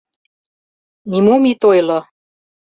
— Нимом ит ойло!